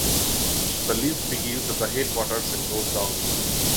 The list begins at the headwaters and goes downstream.